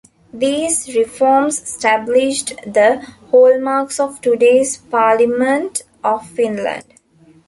These reforms established the hallmarks of today's Parliament of Finland.